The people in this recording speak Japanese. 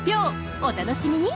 お楽しみに！